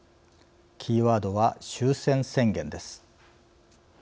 キーワードは「終戦宣言」です。